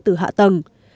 từ hạ tầng